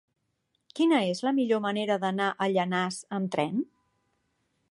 Quina és la millor manera d'anar a Llanars amb tren?